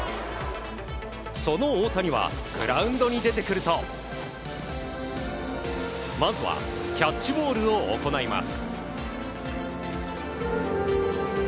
その大谷はグラウンドに出てくるとまずはキャッチボールを行います。